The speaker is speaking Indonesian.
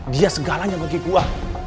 dia segalanya bagi gue